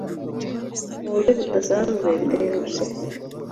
mu buryo budasanzwe bitera gusepfura